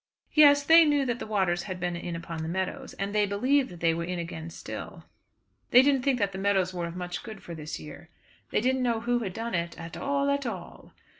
Yes; they knew that the waters had been in upon the meadows, and they believed that they were in again still. They didn't think that the meadows were of much good for this year. They didn't know who had done it, "at all, at all."